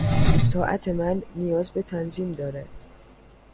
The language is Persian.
ساعت من نیاز به تنظیم دارد.